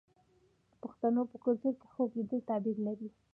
د پښتنو په کلتور کې خوب لیدل تعبیر لري.